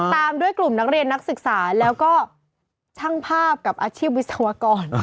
ตามด้วยกลุ่มนักเรียนนักศึกษาแล้วก็ช่างภาพกับอาชีพวิศวกร